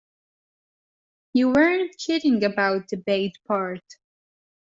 You weren't kidding about the bait part.